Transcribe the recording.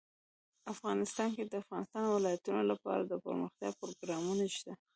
افغانستان کې د د افغانستان ولايتونه لپاره دپرمختیا پروګرامونه شته.